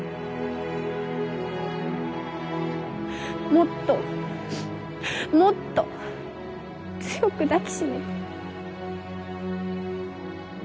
もっともっと強く抱き締めて。